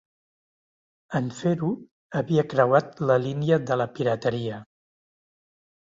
En fer-ho, havia creuat la línia de la pirateria.